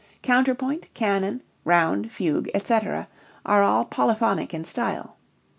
Counterpoint, canon, round, fugue, etc., are all polyphonic in style.